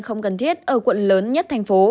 không cần thiết ở quận lớn nhất thành phố